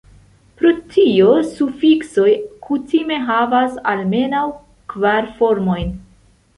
Pro tio, sufiksoj kutime havas almenaŭ kvar formojn.